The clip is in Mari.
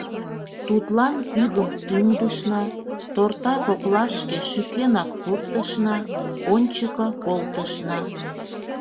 Тудлан пӱгым тӱҥдышна, торта коклашке шӱкенак пуртышна, ончыко колтышна...